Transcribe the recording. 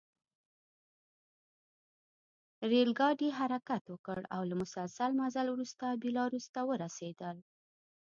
ریل ګاډي حرکت وکړ او له مسلسل مزل وروسته بیلاروس ته ورسېدل